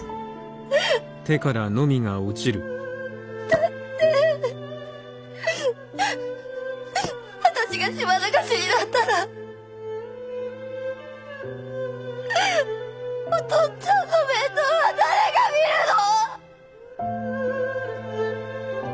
だって私が島流しになったらお父っつぁんの面倒は誰が見るの！？